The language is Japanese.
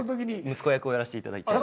息子役をやらせていただいて。